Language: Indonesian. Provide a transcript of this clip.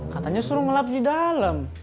katanya suruh ngelap di dalam